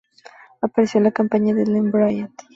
Apareció en la campaña de Lane Bryant.